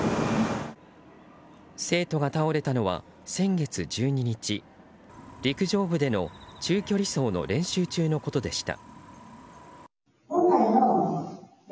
生徒が倒れたのは先月１２日陸上部での中距離走の練習中のことでした。